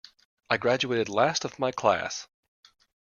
I graduated last of my class.